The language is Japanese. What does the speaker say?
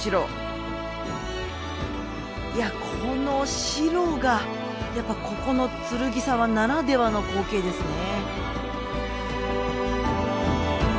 いやこの白がやっぱここの剱沢ならではの光景ですね。